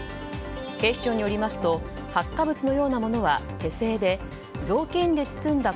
警視庁によりますと発火物のようなものは手製で雑巾で包んだ